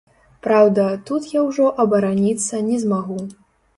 Праўда, тут я ўжо абараніцца не змагу.